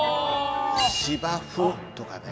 「芝生」とかね。